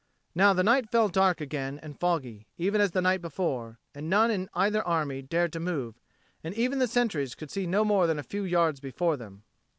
Now the night fell dark again and foggy, even as the night before; and none in either army dared to move, and even the sentries could see no more than a few yards before them.